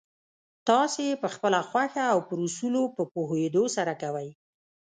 تاسې يې پخپله خوښه او پر اصولو په پوهېدو سره کوئ.